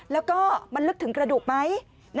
แล้วก็มันลึกถึงกระดูกไหม